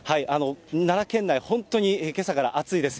奈良県内、本当にけさから暑いです。